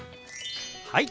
はい！